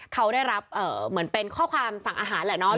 เขาได้รับเหมือนเป็นข้อความสั่งอาหารแหละเนาะ